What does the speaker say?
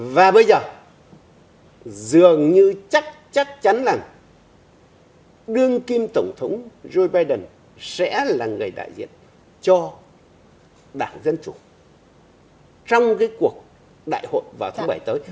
và bây giờ dường như chắc chắn là đương kim tổng thống joe biden sẽ là người đại diện cho đảng dân chủ trong cái cuộc đại hội vào tháng bảy tới